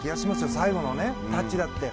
最後のタッチだって。